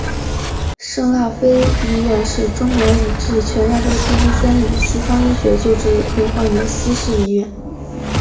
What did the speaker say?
圣辣非医院是中国以至全亚洲第一间以西方医学救治病患的西式医院。